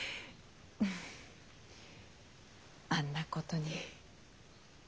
あんなことに。